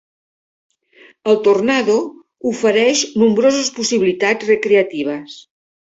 El tornado ofereix nombroses possibilitats recreatives.